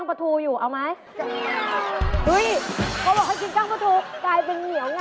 พี่เก๋